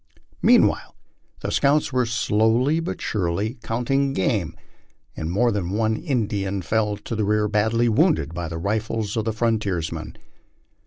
Meantime the scouts were slowly but surely " counting game," and more than one Indian fell to the rear badly wounded by the rifles of the frontiersmen.